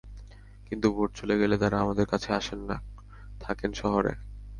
কিন্তু ভোট চলে গেলে তাঁরা আমাদের কাছে আসেন না, থাকেন শহরে।